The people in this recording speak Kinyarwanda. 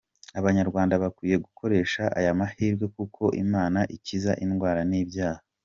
Abanyarwada bakwiye gukoresha aya mahirwe kuko Imana ikiza indwara n’ibyaha.